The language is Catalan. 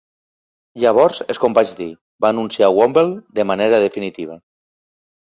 Llavors és com vaig dir, va anunciar Womble de manera definitiva.